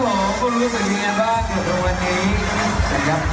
ก็เอ่อขอบคุณมากนะคะก็เอ่อสำหรับโทษแล้วก็ทุกคนที่หวังให้กำลังใจทั้งขวัญของเราค่ะ